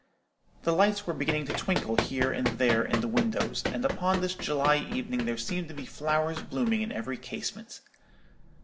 The lights were beginning to twinkle here and there in the windows; and upon this July evening there seemed to be flowers blooming in every casement.